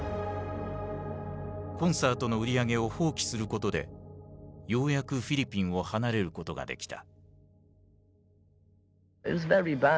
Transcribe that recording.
コンサートの売り上げを放棄することでようやくフィリピンを離れることができた。